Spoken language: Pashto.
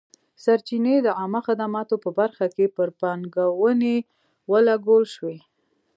سرچینې د عامه خدماتو په برخه کې پر پانګونې ولګول شوې.